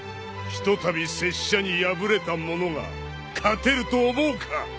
ひとたび拙者に敗れた者が勝てると思うか？